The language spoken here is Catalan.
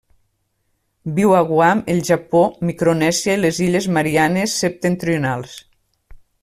Viu a Guam, el Japó, Micronèsia i les Illes Mariannes Septentrionals.